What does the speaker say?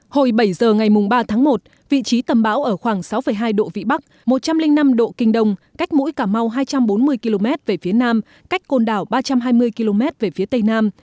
hồi bảy giờ ngày ba tháng một vị trí tâm bão ở khoảng sáu hai độ vĩ bắc một trăm linh năm độ kinh đông cách mũi cà mau hai trăm bốn mươi km về phía nam cách côn đảo ba trăm hai mươi km về phía tây nam